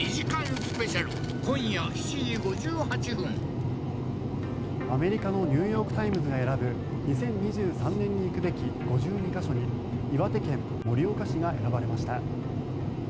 東京海上日動アメリカのニューヨーク・タイムズが選ぶ２０２３年に行くべき５２か所に岩手県盛岡市が選ばれました。